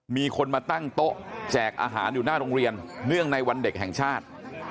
มีคนมาตั้งโต๊ะแจกอาหารอยู่หน้าโรงเรียนเนื่องในวันเด็กแห่งชาติ